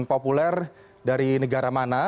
populer dari negara mana